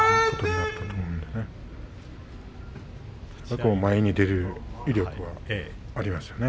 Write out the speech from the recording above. だから前に出る威力はありますね。